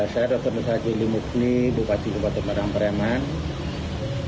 saya dr m ali mugni bupati kabupaten padang pariaman